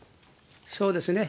そうですね。